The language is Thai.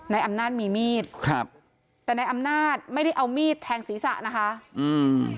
ในอำนาจมีมีดครับแต่ในอำนาจไม่ได้เอามีดแทงศีรษะนะคะอืม